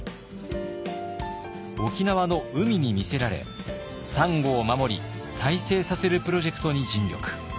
沖縄の海に魅せられサンゴを守り再生させるプロジェクトに尽力。